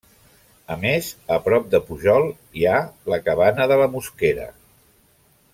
A més, a prop de Pujol hi ha la Cabana de la Mosquera.